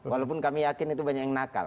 walaupun kami yakin itu banyak yang nakal